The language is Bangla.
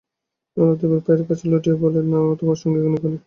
এলা অতীনের পায়ের কাছে লুটিয়ে বললে, নাও আমাকে তোমার সঙ্গিনী করে।